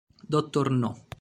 Dr. No